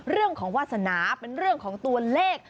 เรื่องของวาสนาเป็นเรื่องของตัวเลข